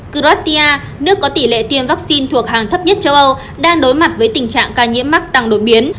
kratia nước có tỷ lệ tiêm vaccine thuộc hàng thấp nhất châu âu đang đối mặt với tình trạng ca nhiễm mắc tăng đột biến